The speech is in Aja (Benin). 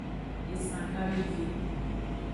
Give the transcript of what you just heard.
Ezan gawive.